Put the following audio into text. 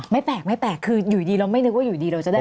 ไม่แปลกไม่แปลกคืออยู่ดีเราไม่นึกว่าอยู่ดีเราจะได้